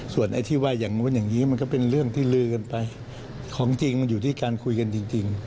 ส่วนไอ้ที่ว่าอย่างนู้นอย่างนี้มันก็เป็นเรื่องที่ลือกันไปของจริงมันอยู่ที่การคุยกันจริง